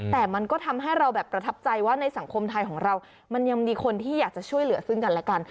แต่มันก็ทำให้เราแบบประทับใจว่าในสังคมไทยของเรามันยังมีคนที่อยากจะช่วยเหลือซึ่งกันและกัน